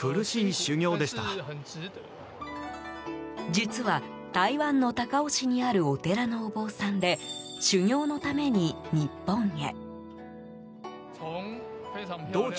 実は、台湾の高雄市にあるお寺のお坊さんで修行のために日本へ。